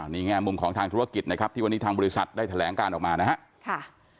นี่แง่มุมของทางธุรกิจนะครับที่วันนี้ทางบริษัทได้แถลงการออกมานะครับ